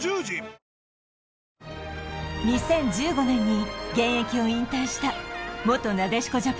２０１５年に現役を引退した元なでしこ